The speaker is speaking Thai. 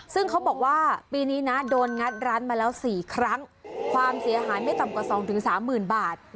ซึ่งเขาบอกว่าปีนี้นะโดนงัดร้านมาแล้ว๔ครั้งความเสียหายไม่ต่ำกว่า๒๓๐๐๐บาท